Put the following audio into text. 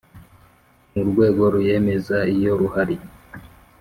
N urwego ruyemeza iyo ruhari